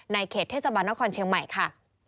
เขตเทศบาลนครเชียงใหม่ค่ะ